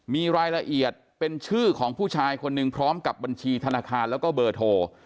มีรายละเอียดเป็นชื่อของผู้ชายคนหนึ่งพร้อมกับบัญชีธนาคารแล้วก็เบอร์โทร